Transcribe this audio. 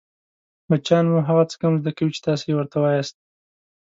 بچیان مو هغه څه کم زده کوي چې تاسې يې ورته وایاست